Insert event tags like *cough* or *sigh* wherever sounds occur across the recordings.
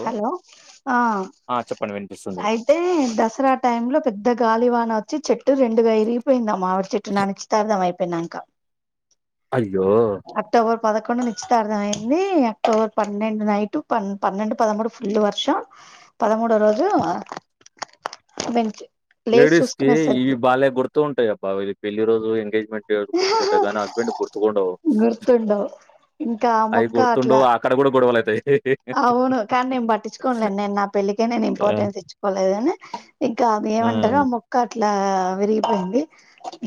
Hello ఆ? ఆ చెప్పండి వినిపిస్తుంది అయితే, దసరా టైమ్ లో పెద్ద గాలివా న వచ్చి చెట్టు రెండుగా ఇరిగిపోయిందా మా మావిడి చెట్టు నానిచ్చితార్థం అయిపోయినాంక అయ్యో! పదకొండు నిశ్చితార్థం అయింది. అక్టోబర్ పన్నెండు నైటు ప పన్నెండు పదమూడు ఫుల్ వర్షం పదమూడో రోజు వెంచి లేడీస్ కి ఇవి బాలే గుర్తు ఉంటాయ్. అబ్బా ఇది పెళ్ళి రోజు ఎంగేజ్మెంట్ గుర్తుకుంటాయి, కానీ హస్బెండ్కి గుర్తుకుండవు. గుర్తుండవు ఇంకా అయి మొక్క గుర్తుండువు అట్లా ఆక్కడ కూడా గుర్ అవును. కానీ నేను పట్టించుకోనలేను నేను నా పెళ్ళికే నేను ఆ ఇంపార్టెన్స్ ఇచ్చుకోలేదు కాని ఇంకా ఏమంటారు ఆ మొక్క అట్లా ఇట్లా విరిగిపోయింది,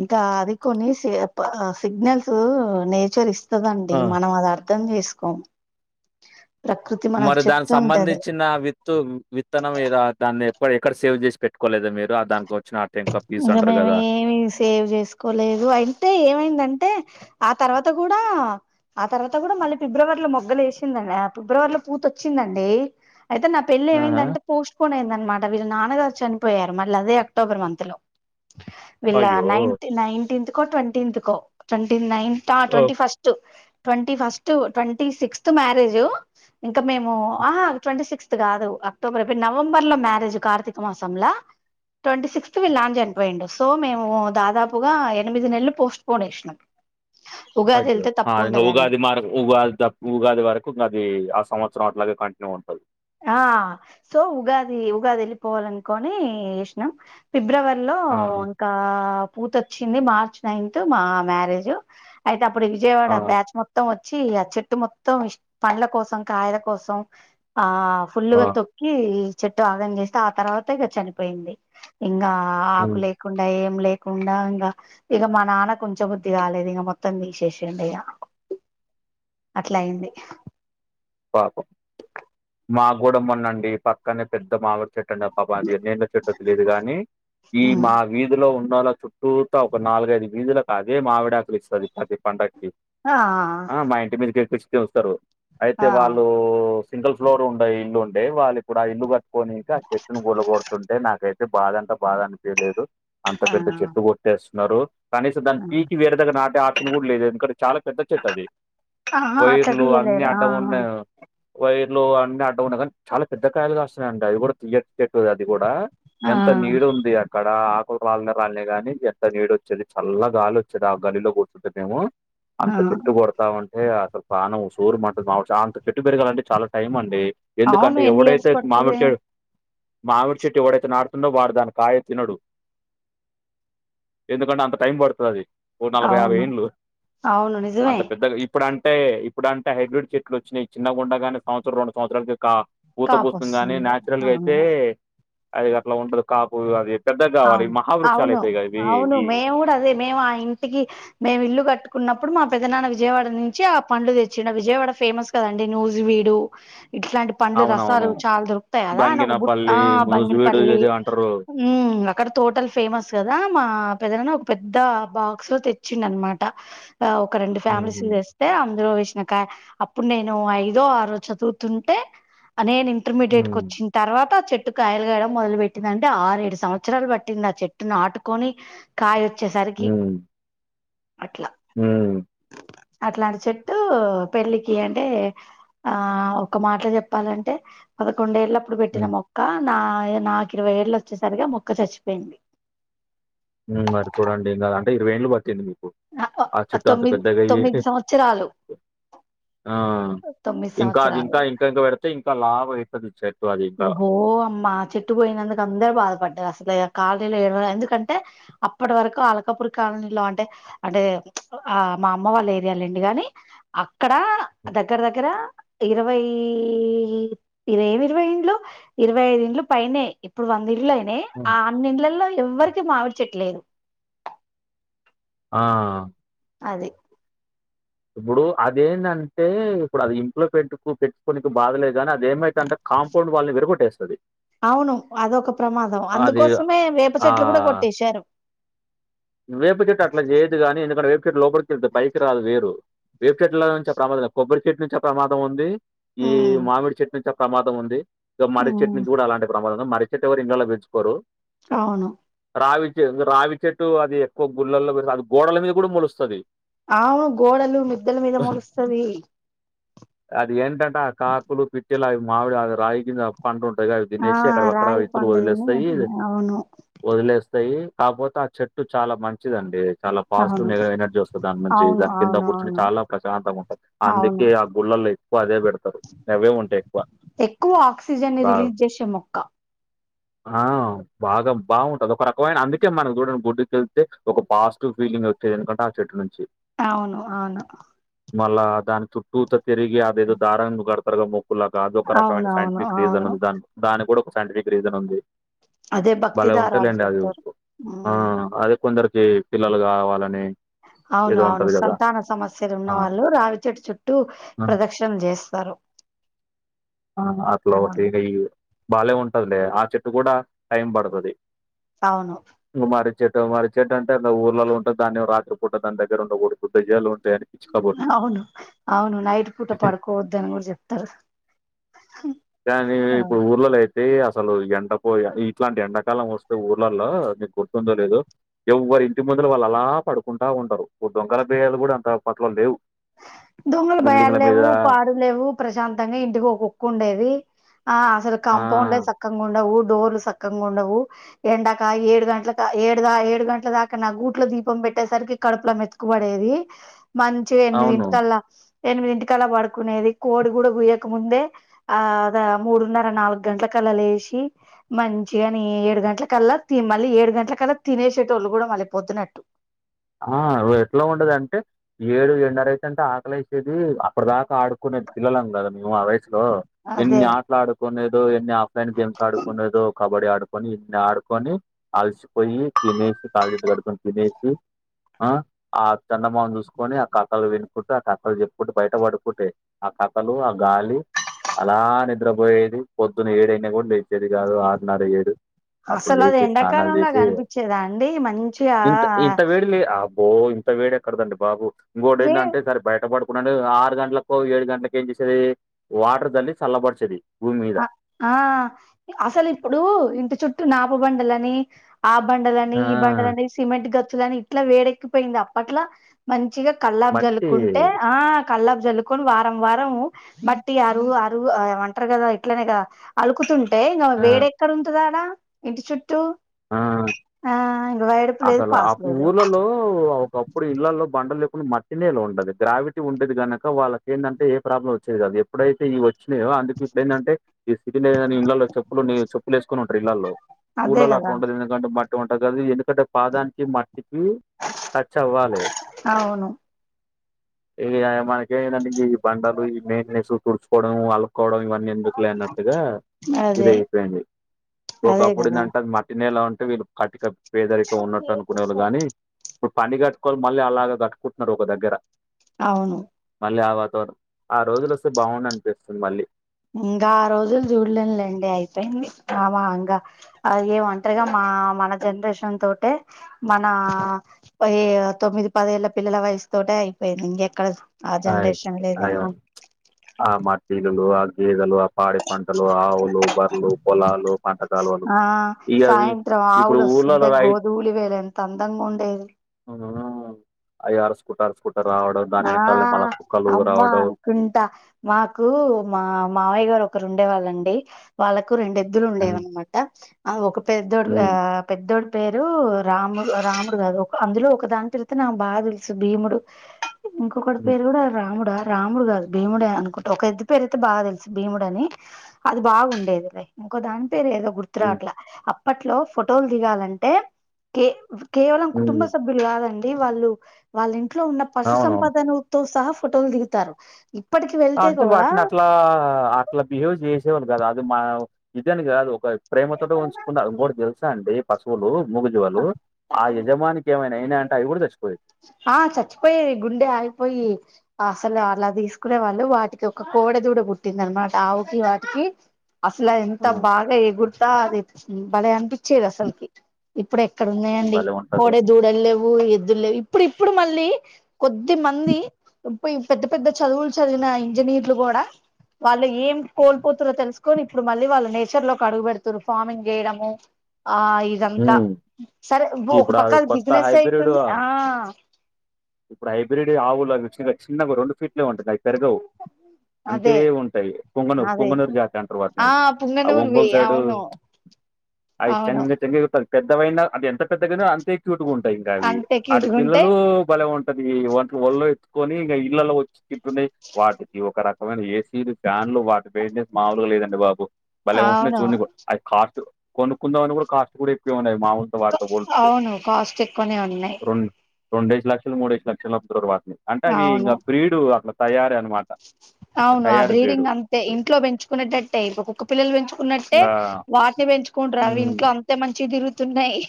ఇంకా అది కొన్ని సి అప్ సిగ్నల్స్ నేచర్ ఇస్ ఇస్తదండి. ఆ మనం అది అర్థం చేసుకోం ప్రకృతి మనకు మరి దానికి చెప్తుంటది సంబంధించిన విత్తు విత్తనం ఏదో దాన్ని డ ఎక్కడ సేవ్ చేస్ పెట్కోలేదా మీరు దాన్కొ ఇంకా మేము ఏమీ సేవ్ చేసుకోలేదు, అంటే ఏమైందంటే? ఆ తర్వాత కూడా ఆ తర్వాత కూడా మళ్ళీ ఫిబ్రవరిలో మొగ్గలేసిందండి. ఆ ఫిబ్రవరిలో పూత వచ్చిందండి. అయితే నా పెళ్లి ఆహా ఏమైందంటే పోస్ట్పోన్ అయిందనమాట. వీళ్ళ నాన్నగారు చనిపోయారు మళ్ళీ అదే అక్టోబర్ మంత్ న్త్ లో వీళ్ళ అయ్యో నైన్ట్ నైన్టీత్ కో ట్వంటీన్త్ కో ట్వంటీ నైన్త్ ఆ ఓ twenty first twenty first twenty sixth marriage ఇంకా మేము ఆ ట్వంటీ సిక్స్ ట్వంటీ ఫిఫ్త్ కాదు అక్టోబర్ అయిపోయి నవంబర్ ల మ్యారేజ్ కార్తీక మాసం ల ట్వంటీ సిక్స్ వీళ్ళ నాన్న చనిపోయిండు సో మేము దాదాపుగా ఎనిమిది నెలలు పోస్ట్ పోన్ చేసినం అయ్యో ఆ ఉగాది మార్ ఉగా ఉగాది వరకు ఉన్నది సంవత్సరం అట్లాగే కంటిన్యూ అవుతది ఆ సో ఉగాది ఉగాది వెళ్ళిపోవాలనుకోని చేసినం ఫిబ్రవరి ఫిబ్రవరి లో ఆ ఇంకా పూత వచ్చింది మార్చ్ నైన్త్ మా మ్యారేజ్ అయితే అప్పుడు విజయవాడ ఆ విజయవాడ బ్యాచ్ మొత్తం వచ్చి ఆ చెట్టు మొత్తం ఇ పండ్ల కోసం కాయల కోసం ఆ ఫుల్గా ఆ తొక్కి చెట్టు ఆగం చేస్తే ఆ తర్వాత ఇక చనిపోయింది ఇంగా ఆ ఆకు హ్మ్. లేకుండా ఏం లే లేకుండా ఇంకా ఇక మా నాన్న ఉంచ బుద్ధి కాలేదు ఇక మొత్తం తీసేసిండు ఇగ అట్లా అయింది పాపం మాకు కూడా మ్మొన్న అండి పక్కనే పెద్ద మావి మామిడి చెట్టు ఏదో తెలియదు కానీ ఈ ఉమ్. మా వీధిలో ఉన్నోళ్ల చుట్టూ పూత ఒక నాలుగైదు వీధులకు అదే మావిడాకులు ఇస్తుంది ప్రతి పండక్కి ఆ ఆ మా ఇంటి మీదకిస్తిస్తారు అయితే ఆ వాళ్ళు సింగల్ ఫ్లోర్ ఉండే ఇల్లు ఉండే వాళ్ళ ఇప్పుడు ఆ ఇల్లు కట్టుకొనికి చెట్టును కూల కొడుతుంటే నాకైతే బాధ అనిపించింది బాధ అని చేయలేదు అంత ఆ పెద్ద చెట్టు కొట్టేస్తున్నారు కనీసం దాని ఆ పీకి వేరే దగ్గ నాటే ఆప్షన్ కూడా లేదు ఎందుకంటే చాలా పెద్ద చెట్టు అది ఆహా అట్లా వైర్లు అన్ని తీయలేరు ఆ అడ్డం ఉన్న వైర్ లో అన్ని అడ్డంగాన్నాయి కానీ చాలా పెద్ద కాయలుగా కాస్తున్నాయి అండి అది కూడా తీయటీ చెట్టు అది కూడా ఆ ఎంత నీడుంది అక్కడ ఆకులు రాలినా రాలినాయ్ కానీ ఎంత నీడు వచ్చేది చల్ల గాలి వచ్చేది ఆ గల్లిలో కూర్చుంటే మేము ఆ అంత చెట్టు కొడతా ఉంటే అసలు పానం ఉసురు మంటుంది అంత చెట్టు పెరగాలంటే చాలా టైం అండి అవును ఎందుకంటే ఎన్ని ఇయర్స్ ఎవడైతే మామిడి పడుతది చెట్ మామిడి చెట్టు ఎవడైతే నాటుతుండో వాడు దాని కాయ తినడు ఎందుకంటే అంత టైం పడుతది అది ఓ నలభై యాభై అవును ఏండ్లు అవును నిజమే అంత పెద్దగా ఇప్పుడుంటే ఇప్పుడుంటే హైబ్రిడ్ చెట్లు వచ్చినాయి చిన్న గుండగానే సంవత్సరం రెండు సంవత్సరలు పూత కాపు పూస్తుంది గాని వస్తుంది నాచురల్ గా అవును అయితే అది అట్లా ఉంటదు కాపు అది పెద్దగా కావాలి అవును మహావృక్షాలు అవును అయితాయిగా ఇవి అవును ఈ మేము కూడా అదే మేము ఆ ఇంటికి మేము ఇల్లు కట్టుకున్నప్పుడు మా పెద్దనాన్న విజయవాడ నుంచి ఆ పండ్లు తెచ్చిండు విజయవాడ ఫేమస్ కదండి న్యూజ్ వీడు ఇట్లాంటి పండ్లు రసాలు అవునవును చాలా దొరుకుతాయి కదా అ ఒక బట్ బంగినపల్లి ఆ ముజువీడు బంగినపల్లి ఏదో అంటారు ఉమ్ అక్కడ తోటలు ఫేమస్ కదా మా పెద్దనాన్న ఒక పెద్ద బాక్స్ లో తెచ్చిండు అన్నమాట ఒక రెండు ఫ్యామిలీస్ ఉహు చేస్తే అందులో అప్పుడు నేను ఐదో ఆరో చదువుతుంటే నేను హ్మ్ ఇంటర్మీడియట్ కి హ్మ్ వచ్చిన తర్వాత చెట్టు కాయలు కాయడం మొదలు పెట్టింది అంటే ఆరు ఏడు సంవత్సరం సంవత్సరాలు పట్టింది ఆ చెట్టును నాటుకొని కాయ వచ్చేసరికి అట్లా ఉమ్ అట్లాంటి చెట్టు పెళ్ళికి అంటే ఆ ఒక మాట లో చెప్పాలంటే పదకొండేళ్ల అప్పుడు పెట్టిన హ్మ్ మొక్క నా నాకు ఇరవై ఏళ్ళు వచ్చేసరిగా మొక్క చచ్చిపోయింది మరి చూడండి ఇంకా అంటే ఇరవై ఏళ్ళు బతికింది ఆ చెట్టు అంత తొమ్మిది పెద్దగా తొమ్మిది అయ్యేసి సంవత్సరాలు ఆ తొమ్మిది ఇంకా అది సంవత్సరాలు ఇంకా ఇంకా ఇంకా పెడితే ఇంకా లావు అయి హో అమ్మా చెట్టు పోయినందుకు అందరుూ బాధపడ్డారు అసలు కాలనీలో ఏడు ఎందుకంటే అప్పటి వరకు అలకపూరి కాలనీలో అంటే అంటే ఆ మా అమ్మ వాళ్ళ ఏరియాలండి గానీ ఇక్కడ దగ్గర దగ్గర ఇరవై ఏమి ఇరవై లో ఇరవై ఐదు ఇండ్లు పైనే ఇప్పుడు వంద ఇండ్లు అయినాయి హ్మ్. ఆ అన్ని ఇంలలో ఎవ్వరికి మావిడి చెట్టు లేదు ఆ అది ఇప్పుడు అదేంటంటే ఇప్పుడు అది ఇంట్లో పెట్టుకు పెచ్చుకోనినికి బాధలేదు కానీ అదిే ఏమైతాది అంటే కాంపౌండ్ వాల్నీ విరగోట్టేస్థాది అవును అదొక ప్రమాదం అందుకోసమే వేప చెట్లు కూడా ఆహ్, కొట్టేశారు వేప చెట్టు అట్లా చేయదు కానీ ఎందుకంటే వేప కే లోపలికి వెళ్ పైకి రాదు వేరు వేపు చెట్ల నుంచిే ప్రమాదం కొబ్బరి చెట్టు నుంచే ప్రమాదం ఉంది ఈ ఉమ్ మామిడి చెట్టు నుంచి ప్రమాదం ఉంది ఇగా మరి చెట్టు ఉమ్ నుంచి కూడా అలాంటి ప్రమాదం కో మరి చెట్టు ఎవరు ఇండ్లలో పెంచుకోరు అవును రావిచే రావిచట్టు అది ఎక్కువ గుళ్ళల్లో అది గోడలో మీద కూడా మొలుస్తాది ఆవు గోడలు మిద్దల మీద మొలుస్తాది అది ఏంటంట ఆ కాకులు పిట్టలా అవి మామిడి అది రాయి కింద పండు ఉంటు పైగా ఆ తినేసి ఎక్కడివి అక్కడ రాయి విత్తులు పండుదని వదిలేస్తాయి అవును వదిలేస్తాయి కాపోతే ఆ చెట్టు చాలా మంచిది అండి చాలా పాజిటివ్ అవును నె్ ఎనర్జీ వస్తుంది దాని నుంచి అవును దాని కింద అవును కూర్చుని అవును చాలా ప్రశాంతంగా ఉంటంది అవును అందుకే ఆ గుళ్ళ లో ఎక్కువ అదే పెడతారు గవే ఉంటాయి ఎక్కువ ఎక్కువ ఆక్సిజన్ని ని బాగా రిలీజ్ చేసే మొక్క ఆ బాగా బాగుంటది ఒక రకమైన అందుకే మన చూడండి బోడి వెళ్తే ఒక పాజిటివ్ ఫీలింగ్ వచ్చేది ఎందుకంటే ఆ చెట్టు నుంచి అవును అవును మళ్ళా దాని చుట్టూతో తిరిగి అదేదో దారాంగా కడతారు కద మో కుల్లగా అదొ ఒక రకమైన అవునవును అవును సైంటిఫిక్ రీజన్ అవును ఉంది దా దాని కూడా ఒక సైంటిఫిక్ రీజన్ ఉంది అదే భక్తి భలే దారలు ఉంటలేండి అది చుడతారు ఆ ఉ అదే కొందరికి పిల్లలు కావాలని *inaudible* అవును ఏదో అవును ఉంటది కదా సంతాన సమస్యలు ఉన్న ఆ వాళ్ళు రావిచట్టు చుట్టూ ఆ ప్రదక్షిణలు చేస్తారు ఆ అట్లా ఒక అవును ఈ భలే ఉంటదిలే ఆ చెట్టు కూడాడా టైం పడుతది అవును ఇంగా మరి చెట్ మరి చెట్టు అంటే అ ఊళ్లలో ఉంటుంది దాన్ని రాత్రి పూట దాని దగ్గర ఉండకూడదు దయ్యాలు ఉంటాయని పిచ్చి కబుర్లు అవును అవును నైట్ పూట పడుకోవద్ద అని కూడా చెప్తారు కానీ అవును ఇప్పుడు ఊర్లోలో ఐ అతే అసలు ఎండపో ఇట్లాంటి ఎండాకాలం వస్తే ఊర్లల్లో నీకు గుర్తుందో లేదు ఎవ వరి ఇంటి ముందులు వాళ్ళు అలా పడుకుంటా ఉంటారు ఇప్పుడు దొంగల బయ్యాలు కూడా అంత పట్లో లేవు దొంగలు భయాలు బిల్డింగ్ల మీద లేవు పాారు లేవు ప్రశాంతంగా ఇంటికి ఓ కుక్క ఉండేది ఆ అసలు ఆ కాంపౌండ్లే చక్కంగా ఉండవు దోర్లు సక్కగా ఉండవు ఎండాక ఏడు గంటల ఏ ఏడు గంటల దాకా నా గూట్లో దీపం పెట్ పెట్టేసరికి కడుపుల మెతుకుబడేది మంచిగా అవును ఎనిమిదింటికల్లా. ఎనిమిదింటికల్లా పడుకునేది. కోడి కూడా గుయక ముందే ఆ ద మూడున్నర, నాలుగు గంటల క. ల్లా లేసి మంచిగాని ఏడు గంట్ల కల్లా, తి మళ్ళీ ఏడు గంట్ల కల్లా తినేసేటోళ్ళు కూడా మళ్ళీ. పొద్దునట్టు. ఆ ఎట్లా ఉండేదంటే ఏడు, ఎన్నర అయితంటే ఆకలి వేసేది అప్పటిదాకా ఆడుకు. మేం పిల్లలం కద మేము ఆ వయసు. లో అదే ఎన్ని ఆటలు ఆడుకునేదో, ఎన్ని ఆఫ్లైన్ గేమ్స్ ఆడుకుండెదొ కబడ్డీ ఆడు. కొని, ఎన్ని ఆడుకొని అలసిపోయి తినేసి కాల్, జెతులు కడుకొని తినేసి. ఆ ఆ చందమామ చూసుకొని ఆ కథలు విన్. కుంట ఆ కథలు చెప్పుకుంటూ బయట పడుకుంటే ఆ కథలు, ఆ గాలి. అలా నిద్రపోయేది పొద్దున్న ఏడయినా కూడా లేచేది కాదు ఆరున్నర, ఏడు. అసలు అది ఎండాకాలం లాగా అనిపించేదాండి మంచిగా. ఆ బో ఇంత వేడేక్కడదండి బాబు ఇంకోటి వే ఏందంటే ఈసారి బయటపడు. ఇప్పుడంటే ఆరు గంటలకు, ఏడు గంటలకేంచేసేది వాటర్ జల్లి చల్లబరిచేది. భూమి మీద. ఆ, ఆ అసలు ఇప్పుడు ఇంటి చుట్టూ నాపబండలని. ఆ బండలని, ఆ! ఈ బండలని సిమెంట్ గచ్చులని ఇట్లా వేడెక్కిపోయింది అప్పట్లా మంచిగా. కల్లాపి మట్టి జల్లుకుంటే ఆ. కల్లాపి జల్లుకొని వారం, వారం మట్టి అరువు, అరువు ఏమో అంటారు కదా. ట్లేనేదా అలుకుతుంటే ఇగ ఆ! వేడెక్కడ ఉంటుదాడా ఇంటి చుట్టూ. ఆ ఆ ఇంక వేడుపు లేదు అసలు పాస్ అప్ లేదు ఊర్లల్లో ఒకప్పుడు ఇండ్లల్లో బండల్ లెవ్. ప్పుడు మట్టినేలా ఉండది గ్రావిటీ ఉండది, గనక వాళ్లకేందంటే ఏ ప్రాబ్లం వచ్చేది కాదు ఎప్పుడైతే ఈ వ. *unintelligible* అందుకు ఇప్పుడేందంటే, ఈ సిటీలే గాని ఇండ్లల్లో చెప్పులున్ని, చెప్పులు వేసుకుని ఉంటారు ఇళ్లల్లో. అదే కాద ఉంటది *unintelligible* బక్కగా ఉంటది *unintelligible* ఏందో. ఇక్కటి పాదానికి మట్టికి టచ్ అవ్వాలే. అవును *unintelligible* మనకి ఏందంటే ఈ బండలు, ఈ మెయినెస్ తుడుచుకోవడం అల్లుక్కోవడం ఇవన్నీ ఎందుకులే అన్నట్టుగా. ఇది అదే అయిపోయింది అదే ఒకప్పుడు కదా ఏందంట మ. నేల ఉంటే వీళ్ళు కటిగా పేదరిక ఉన్నట్టు అనుకునే వాళ్ళు గాని. ఇప్పుడు పని కట్టుకోని మళ్ళీ అలాగ గట్టుకుంటున్నారు ఒక దగ్గర. అవును లే వాతావరణం ఆ రోజులు వస్తే బాగుండు అనిపిస్తుంది మళ్ళీ. ఇంగా ఆ రోజులు చూడలేంలే, ఇంగ అయిపోయింది అమా ఇంగ అది ఏ ఒంటరిగా మా. ఆ మన జనరేషన్ తోటె మన *inaudible* తొమ్మిది, పది ఏళ్ల పిల్లల వయసు. తోటే అయిపోయింది ఇంగేక్కడ. ఆయి అయమ్ ఆ మట్టిగలు, ఆ గేదలు ఆ. పాడి పంటలు, ఆవులు, బర్రలు, పొలాలు, పంట కాలువలు ఇగవి ఇప్పుడు. ఊర్లలో సుంటె రై గోధూలి వేలంత అందంగుండేవి. అవునవున అయ్యి అరుసుకుట్ట, అరుసుకుట్ట రావడం దాని ఆ వెన. అమ్మా అనుకుంటా, మాకు మా మావయ్య గారు ఓ. ఒక్కరుండేవాళ్ళండి వాళ్లకు రెండు ఎద్దులు హ్మ్. ఉండేవన్మాట ఆ ఒక. పెద్దోడు హ్మ్. ఆ పెద్దోడు పేరు రాముడు, రాముడు కాదు ఒక అందులో ఒక దాన్తిల్తొ నాకు బాగా తెలుసు భీముడు. ఇంకొకడి హ్మ్. పేరు కూడా రాముడా రాముడు కాదు. భీముడె అనుకుంటా. ఒక ఎద్దు పేరయితే బాగా తెలుసు భీముడు అని. అది బాగుండేదిలె. ఇంకో దాని పేరేదో గుర్తు హ్మ్. రాట్లా. అప్పట్లో ఫొటోలు దిగాలంటే కే కేవలం కుటుంబ హ్మ్. సభ్యులు కాదండి. వాళ్ళు, వాళ్ళ ఇంట్లో ఉన్న పశు సం అవునవును. ప్రూఫ్ తో సహా ఫోటోలు దిగుతారు. ఇ అంటే వాటిని అట్లా, అట్లా బిహేవ్ చేసేవాళ్లు కాదు. అది మా ఇదని కాదు ఒక ప్రేమతోటి ఉంచుకున. ఇంకోటి తెలుసా అండి పశువులు మూగజీవాలు ఆ అది యజమానికి ఏమైనా అయినా అంటే, అవి కూడా చచ్చిపోయేవి. ఆ చచ్చిపోయేవి గుండె ఆగిపోయి. అసలు అలా తీసుకునే వాళ్ళు. వాటికి ఒక కోడ దూడ పుట్టింది అనమాట ఆవుకి వాటికి. అసలు ఎంత ఆ! బాగా ఎగురతా అది బలే అనిపిచ్చేది అసలకి. ఇప్పుడే ఎక్కడున్నాయండి భలే ఉంటది. కోడే దూడల్లేవు. ఓ ఎద్దులేవు. ఇప్పుడిప్పుడు మళ్ళీ కొద్ది మంది పెద్ద పెద్ద చదువులు చదివి నా ఇంజనీర్లు కూడా, వాళ్ళు ఏం కోల్పోతురో తెలుసుకొని, ఇప్పుడు మళ్ళీ వాళ్ళ నేచర్ లోకి అడుగు పెడుతురు. ఫార్మింగ్ చేయడము. ఆ ఇదంతా. హ్మ్. సరే ఒక ఇప్పుడు పక్క అవి కొత్త బిజినెస్ హైబ్రిడ్ అయితుంది. ఆ ఇప్పుడు హైబ్రిడ్ వె ఆవులు అవి చి చిన్నగా రెండు ఫీట్లే ఉంటంది అవి పెరగవు. అంతే అదే ఉంటాయి. పుంగనూరు అదే పుంగనూరు జాతి అంటారు వాటిని. ఆ ఆ పుంగనూరువి ఒంగోలు సైడు అవును అవి అవును చెంగు చెంగు ఎగురుతాది. పెద్దవైనా అది ఎంత పెద్దగైన అంతే క్యూట్ గా ఉంటాయి ఇంక అవి. అంతే ఆడి క్యూట్గా ఉంటాయి పిల్లలు బలే ఉంటా టది వంటలు ఒళ్ళో ఎత్తుకొని ఇగ ఇళ్లలో వచ్చి తింటున్నాయి. వాటికి ఒక రకమైన ఏసీలు, ఫ్యాన్ ఇన్లో వాటి బిజినెస్ మామలుగా లేదండి బాబు భలే ఉంటునయి అవును చూడనీకి అది కాస్ట్, కొనుక్కుందామని కూడా కాస్ట్ కూడా ఎక్కువే ఉన్నాయి. మాముూలుతో వారు అవును. కాస్ట్ ఎక్కువనే ఉన్నాయి. రొండేసి లక్షలు, మూడేసి లక్షలు అమ్ముతుర్రు వాటిని. అంటే, అవి అవును ఇంకా బ్రీడు అట్లా తయారి అన్నమాట. అవును ఆ బ్రీడ్ ఇంగ అంతే. ఇంట్లో పెంచుకునేటట్టే ఇప్ కుక్క పిల్లలు పెంచుకున్నట్టే, ఇంకా వాటిని పెన్ చుకుంటరా అవి ఇంట్లో అంతే మంచిగ తిరుగుతున్నాయి.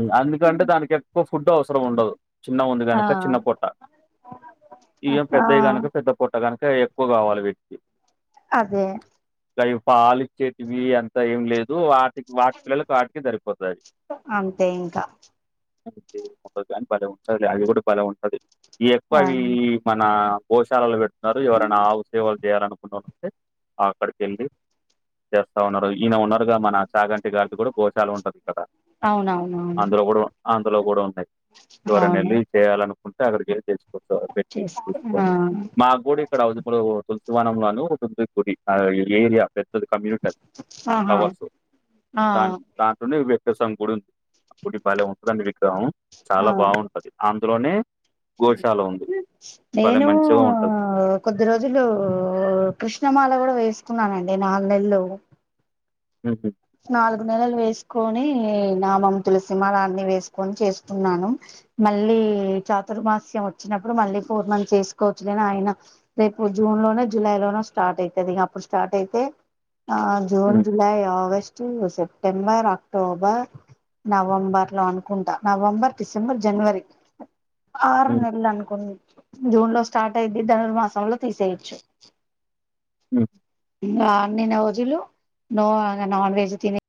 మ్ అందుకంటే దానికి ఎక్కువ ఫుడ్ అవసరం ఉండదు. చిన్న ఉంది ఆ గనుక చిన్న పొట్ట. ఇగ ఆ పెద్దవి గనుక పెద్ద పొట్ట గను ఇంకా ఎక్కువ కావాలి వీటికి. అదే ఇంకా ఇవి పాలిచ్చేటివి అంత ఏం లేదు. వాటికి వాటి పిల్లలకు వాటికె సరిపోతాది. అంతే ఇంకా ఉంటదు కానీ భలే ఉంటది లే అవి కూడా భలే ఉంటది. ఈ ఎక్కువ ఆ అవి మన గోశాలలు పెట్తున్నారు. ఎవరైనా ఆవు సేవలు చేయాలనుకునేల్లు ఉంటే అక్కడికి వెళ్ళి, చేస్తా ఉన్నారు. ఈయన ఉన్నారుగా మన చాగంటి గారిది కూడా గోశాల ఉంటది ఇక్కడ అవునవునవును. ఇందులో కూడా ఉన్నాయి. ఎవరైన అవును వెళ్ళి చేయాలనుకుంటే అక్కడికెళ్లి చేయచ్చు. కొత్త పెట్టి చేస్త ఆ చూసుకొని, మాక్కూడ ఇక్కడ అవసిం లో ఒకటుంది. వనంలా అని ఒకటుంటుంది గుడి ఆ ఏరియా పెద్దది కమ్యూనిటీ అది. ఆహా టవర్స్ ఆ దా దాంట్లోనే వ్యక్తసం గుడి ఉంది. గుడి భలే ఉంటదండి విగ్రహం. చాలా ఆ బాగుంటది. అందులోనే గోశాల ఉంది భలే నేను మంచిగా ఉంటది కొద్ది రోజులు కృష్ణమాల కూడా వేసుకున్నానండి. నాలుగు నెల్లు మ్హు నాలుగు నెలలు వేసుకొని, నామం, తులసిమాల అన్ని వేసుకొని చేసుకున్నాను. మళ్ళీ చాతుర్మాస్యం వచ్చినప్పుడు మళ్ళీ పూర్ణం చేసుకోవచ్చుగాని ఆయన రేపు జూన్ లోనొ జులై లోనొ స్టార్ట్ అయితది ఇక అప్పుడు స్టార్ట్ అయితే ఆ June July August to September October November లో అనుకుంటా నవంబర్ డిసెంబర్ జనవరి ఆరు నెలలు అనుకుండి జూన్ లో స్టార్ట్ అయి ద్ది ధనుర్మాసంంలో తీసేయచ్చు అన్ని రోజులు నో నాన్ వెజ్ తినె